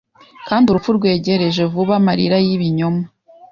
kandi urupfu rwegereje vuba amarira yibinyoma